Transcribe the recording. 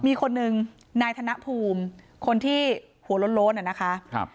มีคนนึงนายธนพูมคนที่หัวโล้นโล้นอะนะคะครับ